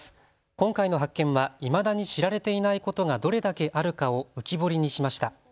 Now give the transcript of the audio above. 今回の発見はいまだに知られていないことがどれだけあるかを浮き彫りにしました。